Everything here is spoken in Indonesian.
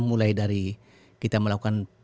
mulai dari kita melakukan